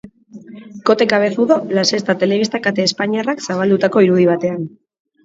Kote Cabezudo, La Sexta telebista kate espainiarrak zabaldutako irudi batean.